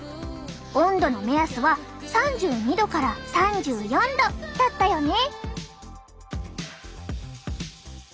温度の目安は３２℃から３４℃だったよね。